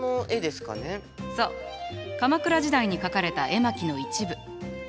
そう鎌倉時代に描かれた絵巻の一部。